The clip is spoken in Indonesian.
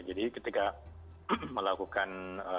jadi ketika melakukan